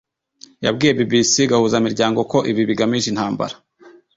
yabwiye bbc gahuzamiryango ko ibi bigamije intambara